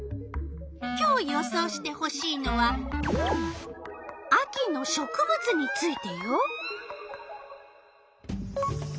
今日予想してほしいのは秋の植物についてよ。